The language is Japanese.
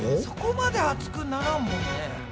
そこまで熱くならんもんね。